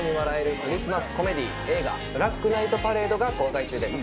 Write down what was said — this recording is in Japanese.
クリスマスコメディー映画『ブラックナイトパレード』が公開中です。